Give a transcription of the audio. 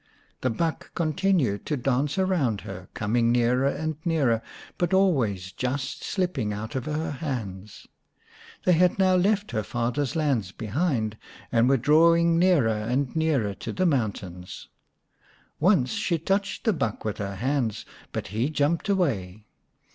The buck continued to dance around her, coming nearer and nearer, but always just slipping out of her hands. They had now left her 218 xviii The Enchanted Buck father's lands behind, and were drawing nearer and nearer to the mountains. Once she touched the buck with her hands, but he jumped away.